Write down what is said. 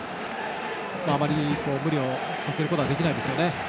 あまり無理をさせることはできないですよね。